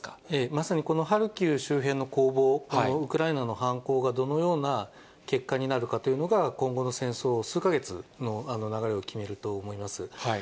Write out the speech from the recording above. まさにこのハルキウ周辺の攻防、ウクライナの反攻がどのような結果になるかというのが、今後の戦争を、数か月の流れを決めると思います。